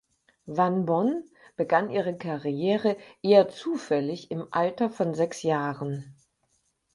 Van Bonn begann ihre Karriere eher zufällig im Alter von sechs Jahren.